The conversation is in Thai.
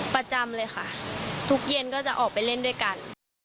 ประจำเลยค่ะทุกเย็นก็จะออกไปเล่นด้วยกัน